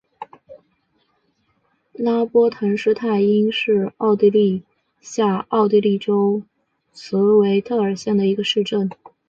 拉波滕施泰因是奥地利下奥地利州茨韦特尔县的一个市镇。